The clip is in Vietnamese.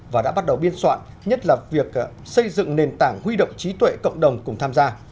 và đã bắt đầu biên soạn nhất là việc xây dựng nền tảng huy động trí tuệ cộng đồng cùng tham gia